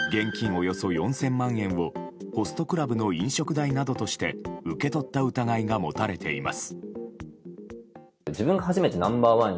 およそ４０００万円をホストクラブの飲食代などとして受け取った疑いが持たれています。